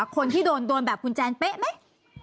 คนที่โดนแบบคุณแจนเป๊ะไหม